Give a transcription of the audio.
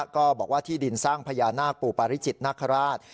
ก็บอกว่าที่ดินสร้างพญานาคปู่ปาริจิตนาคาราช